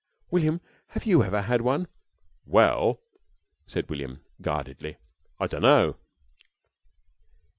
"William, have you ever had one?" "Well," said William, guardedly, "I dunno."